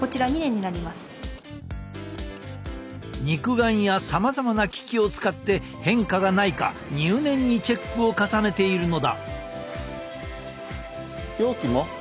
肉眼やさまざまな機器を使って変化がないか入念にチェックを重ねているのだ。